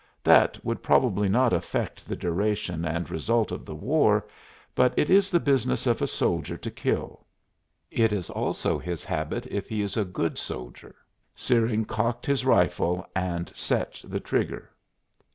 That would probably not affect the duration and result of the war, but it is the business of a soldier to kill. It is also his habit if he is a good soldier. Searing cocked his rifle and "set" the trigger.